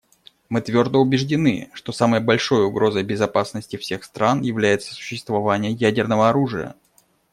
Мы твердо убеждены, что самой большой угрозой безопасности всех стран является существование ядерного оружия.